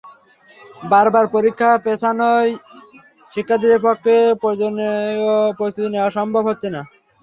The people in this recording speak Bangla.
বারবার পরীক্ষা পেছানোয় শিক্ষার্থীদের পক্ষে প্রয়োজনীয় প্রস্তুতি নেওয়াও সম্ভব হচ্ছে না।